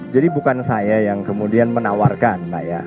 jadi bukan saya yang kemudian menawarkan